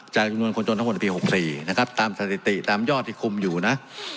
จำนวนคนจนทั้งหมดในปี๖๔นะครับตามสถิติตามยอดที่คุมอยู่นะ